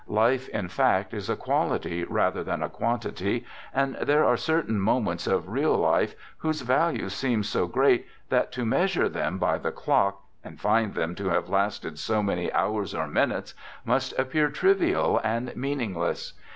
Life, in fact, is a quality rather than a| quantity, and there are certain moments of real life [ whose value seems so great that to measure them by |<' the clock, and find them to have lasted so many? hours or minutes, must appear trivial and meaning 1 less.